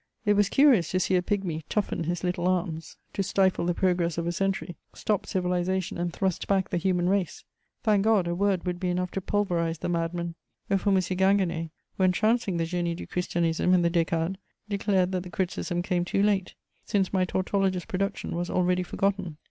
It was curious to see a pygmy "toughen his little arms" to stifle the progress of a century, stop civilization, and thrust back the human race! Thank God, a word would be enough to pulverize the madman: wherefore M. Ginguené, when trouncing the Génie du Christianisme in the Décade declared that the criticism came too late, since my tautologous production was already forgotten.